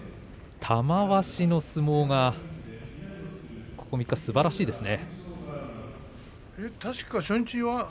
玉鷲の相撲がここ３日すばらしいですね。